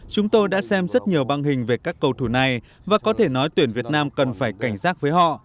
chúng tôi đã xem rất nhiều băng hình về các cầu thủ này và có thể nói tuyển việt nam cần phải cảnh giác với họ